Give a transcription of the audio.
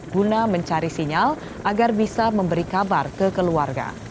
guna mencari sinyal agar bisa memberi kabar ke keluarga